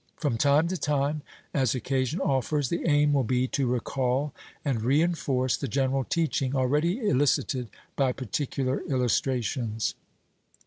From time to time, as occasion offers, the aim will be to recall and reinforce the general teaching, already elicited, by particular illustrations.